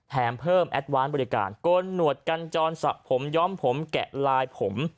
แถมเพิ่มบริการโกนหนวดกันจอนสระผมย้อมผมแกะลายผม